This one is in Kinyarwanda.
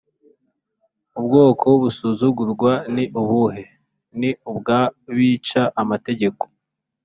Ubwoko busuzugurwa ni ubuhe? Ni ubw’abica amategeko